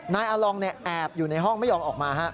นายอลองแอบอยู่ในห้องไม่ยอมออกมา